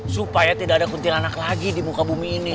supaya tidak ada kuntilanak lagi di muka bumi ini